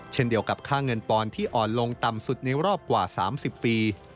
เช่นเดียวกับค่าเงินปอนด์ที่อ่อนลงต่ำสุดในรอบกว่า๓๐ปี